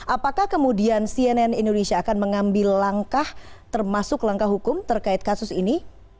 apakah kemudian cnn indonesia akan mengambil langkah termasuk langkah hukum terkait kasus ini